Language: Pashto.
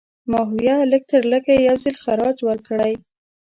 ماهویه لږترلږه یو ځل خراج ورکړی.